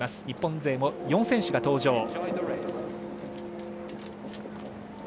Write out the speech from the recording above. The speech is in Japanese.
日本勢も４人が登場。